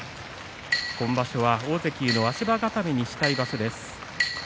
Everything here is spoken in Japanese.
今場所は大関への足場固めにしたい場所です。